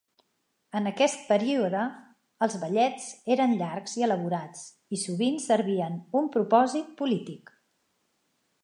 En aquest període els ballets eren llargs i elaborats i sovint servien un propòsit polític.